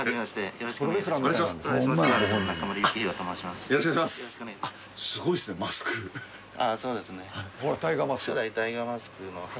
よろしくお願いします。